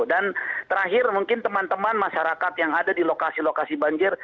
dan terakhir mungkin teman teman masyarakat yang ada di lokasi lokasi banjir